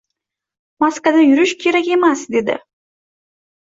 Maskada yurish kerak emas dedi.